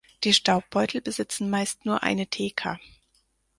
Die Staubbeutel besitzen meist nur eine Theka.